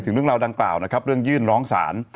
เรื่องราวดังกล่าวนะครับเรื่องยื่นร้องศาล